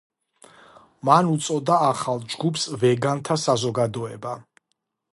მან უწოდა ახალ ჯგუფს ვეგანთა საზოგადოება.